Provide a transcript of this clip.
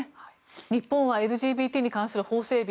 日本はＬＧＢＴに関する法整備